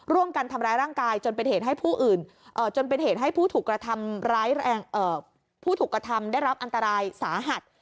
ร่วงกันทำร้ายร่างกายจนเป็นเหตุให้ผู้ถุกระทำได้รับอันตรายสาหัส